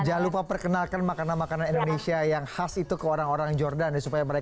jangan lupa perkenalkan makanan makanan indonesia yang khas itu ke orang orang jordan